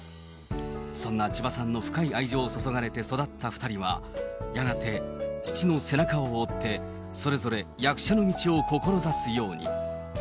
そんな千葉さんの深い愛情を注がれて育った２人は、やがて父の背中を追って、それぞれ役者の道を志すように。